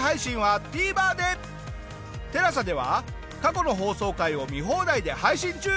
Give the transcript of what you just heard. ＴＥＬＡＳＡでは過去の放送回を見放題で配信中。